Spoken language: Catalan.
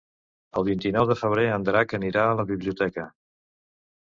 El vint-i-nou de febrer en Drac anirà a la biblioteca.